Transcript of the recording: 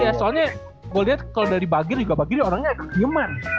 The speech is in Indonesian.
iya soalnya gue liat kalo dari bagir juga bagir ya orangnya agak nyeman